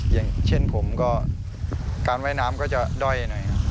อย่างเช่นผมก็การว่ายน้ำก็จะด้อยหน่อยครับ